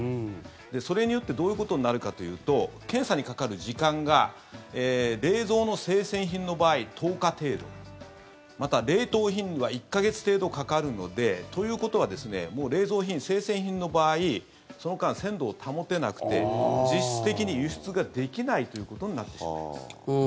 それによってどういうことになるかというと検査にかかる時間が冷蔵の生鮮品の場合、１０日程度また、冷凍品は１か月程度かかるのでということは冷蔵品、生鮮品の場合その間、鮮度を保てなくて実質的に輸出ができないということになってしまいます。